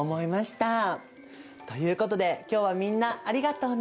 ということで今日はみんなありがとうね。